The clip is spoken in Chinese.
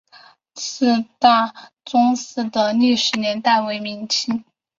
伍氏大宗祠的历史年代为清代。